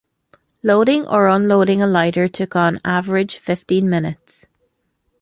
Loading or unloading a lighter took on average fifteen minutes.